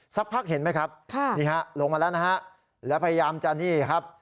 สักพักเห็นไหมครับนี่ฮะลงมาแล้วนะฮะแล้วพยายามจะนี่ครับ